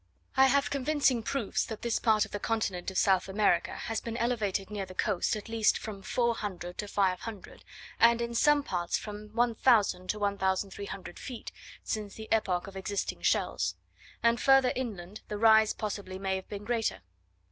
I have convincing proofs that this part of the continent of South America has been elevated near the coast at least from 400 to 500, and in some parts from 1000 to 1300 feet, since the epoch of existing shells; and further inland the rise possibly may have been greater.